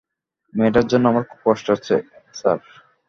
মেয়েটার জন্যে আমার খুব কষ্ট হয় স্যার।